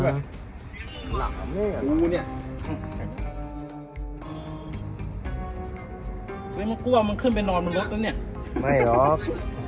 มันกลัวมันขึ้นไปนอนบนรถหรอเนี้ยไม่หรอก